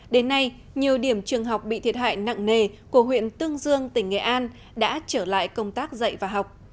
đến nay nhiều điểm trường học bị thiệt hại nặng nề của huyện tương dương tỉnh nghệ an đã trở lại công tác dạy và học